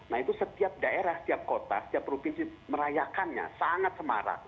nah itu setiap daerah setiap kota setiap provinsi merayakannya sangat semarak